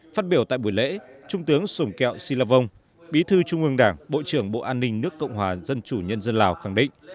phát biểu tại buổi lễ trung tướng sùng kẹo si la vong bí thư trung ương đảng bộ trưởng bộ an ninh nước cộng hòa dân chủ nhân dân lào khẳng định